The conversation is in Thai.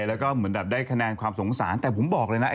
แล้วก็เหมือนแบบได้คะแนนความสงสารแต่ผมบอกเลยนะ